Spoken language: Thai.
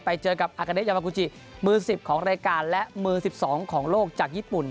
ไปเจอกับอากาเดชยามากูจิมือ๑๐ของรายการและมือ๑๒ของโลกจากญี่ปุ่น